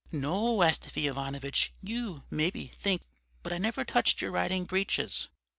"'No, Astafy Ivanovitch, you, maybe, think but I never touched your riding breeches.'